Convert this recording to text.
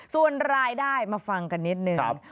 ส่วนรายได้มาฟังกันนิดนึง